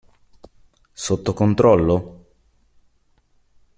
Sotto controllo?